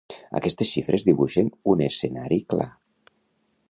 Aquestes xifres dibuixen un escenari clar.